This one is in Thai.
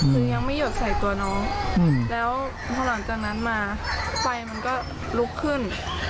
คือยังไม่หยดใส่ตัวน้องแล้วพอหลังจากนั้นมาไฟมันก็ลุกขึ้น